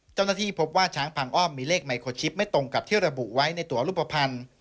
เจ้าหน้าที่พบว่าช้างพังอ้อมมีเลขไมโครชิปไม่ตรงกับที่ระบุไว้ในตัวรูปภัณฑ์